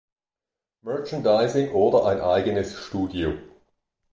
Merchandising oder ein eigenes Studio.